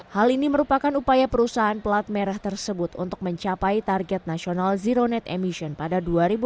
hal ini merupakan upaya perusahaan pelat merah tersebut untuk mencapai target nasional zero net emission pada dua ribu dua puluh dua